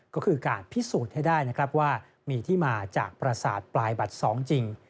ก็คือการพิสูจน์ให้ได้นะครับว่ามีที่มาจากประสาทปลายบัตร๒จริง